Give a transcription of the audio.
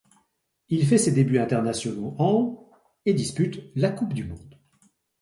Il fait ses débuts internationaux en et dispute la coupe du monde.